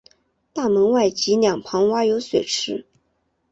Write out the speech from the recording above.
大门外及两旁挖有水池。